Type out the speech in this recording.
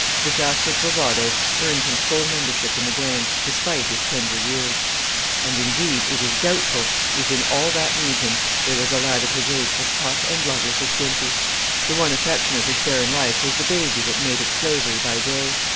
This act of bravado earned him full membership in the gang, despite his tender years; and, indeed, it is doubtful if in all that region there was a lad of his age as tough and loveless as Gimpy. The one affection of his barren life was the baby that made it slavery by day.